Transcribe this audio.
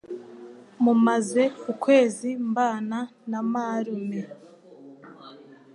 Mumaze ukwezi mbana na marume.